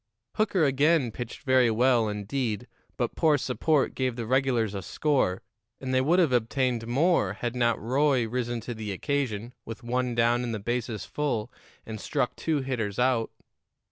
Hooker again pitched very well, indeed, but poor support gave the regulars a score, and they would have obtained more had not Roy risen to the occasion, with one down and the bases full, and struck two hitters out.